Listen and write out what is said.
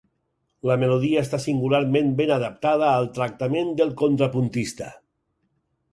La melodia està singularment ben adaptada al tractament del contrapuntista.